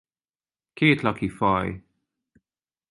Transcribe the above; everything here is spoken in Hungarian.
Kétlaki faj.